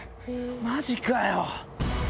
マジかよ！